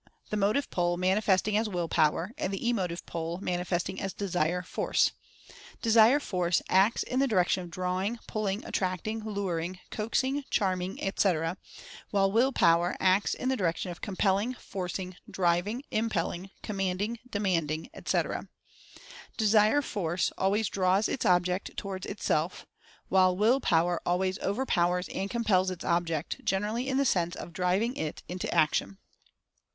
The Motive Pole mani festing as Will Power, and the Emotive Pole mani festing as Desire Force. Desire Force acts in the di rection of drawing, pulling, attracting, luring, coax ing, charming, etc. ; while Will Power acts in the di rection of compelling, forcing, driving, impelling, commanding, demanding, etc. Desire Force always draws its object toward itself; while Will Power al ways overpowers and compels its object, generally in the sense of driving it into action.